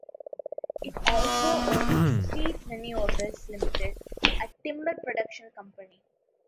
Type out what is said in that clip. It also owns Sleat Renewables Limited, a timber production company.